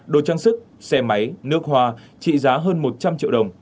đồ trang sức xe máy nước hoa trị giá hơn một trăm linh triệu đồng